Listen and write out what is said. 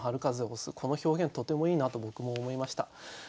この表現とてもいいなと僕も思いました。